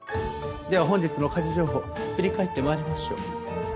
では本日の家事情報振り返って参りましょう。